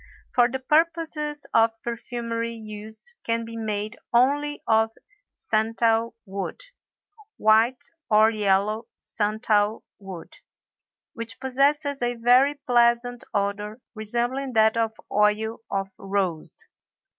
For the purposes of perfumery use can be made only of santal wood (white or yellow santal wood) which possesses a very pleasant odor resembling that of oil of rose.